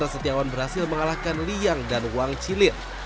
hennessey setiawan berhasil mengalahkan liang dan wang cilin